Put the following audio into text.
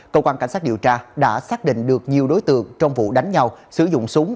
cơ quan cảnh sát điều tra đã xác định được nhiều đối tượng trong vụ đánh nhau sử dụng súng